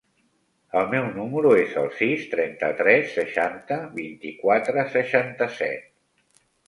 El meu número es el sis, trenta-tres, seixanta, vint-i-quatre, seixanta-set.